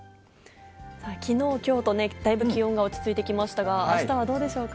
きのう、きょうと、だいぶ気温が落ち着いてきましたが、あしたはどうでしょうか。